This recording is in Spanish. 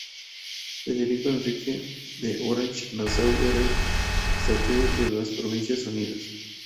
Federico Enrique de Orange-Nassau era estatúder de las Provincias Unidas.